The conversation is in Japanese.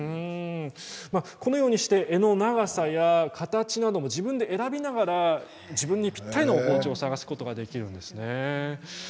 このようにして柄の長さや形なども自分で選びながら自分にぴったりの包丁を探すことができるんですね。